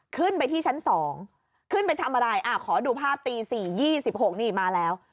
ขึ้นไปที่ชั้น๒ขอดูภาพตี๔๖นี่มาแล้ว